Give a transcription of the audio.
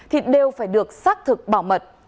thì đều phải được xác thực bảo mật